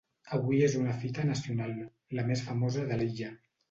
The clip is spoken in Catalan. Avui és una fita nacional, la més famosa de l'illa.